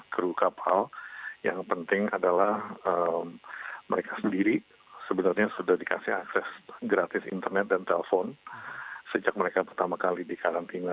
kru kapal yang penting adalah mereka sendiri sebenarnya sudah dikasih akses gratis internet dan telpon sejak mereka pertama kali di karantina